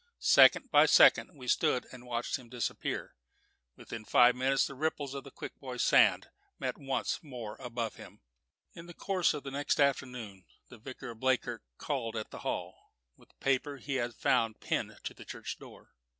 Second by second we stood and watched him disappear. Within five minutes the ripples of the Quick Boy Sand met once more above him. In the course of the next afternoon the Vicar of Bleakirk called at the Hall with a paper which he had found pinned to the church door.